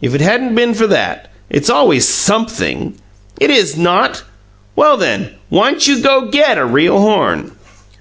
"If it hadn't 'a' been for that! It's always SUMPTHING!" "It is not!" "Well, then, why'n't you go GET a real horn?"